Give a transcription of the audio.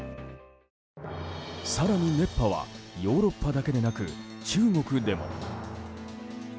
更に熱波はヨーロッパだけではなく中国でも。